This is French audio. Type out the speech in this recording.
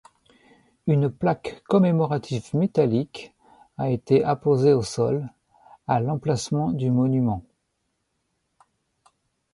Une plaque commémorative métallique a été apposée au sol, à l'emplacement du monument.